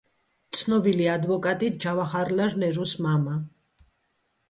ცნობილი ადვოკატი, ჯავაჰარლალ ნერუს მამა.